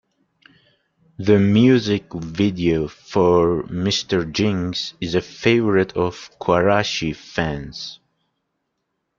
The music video for "Mr. Jinx" is a favorite of Quarashi fans.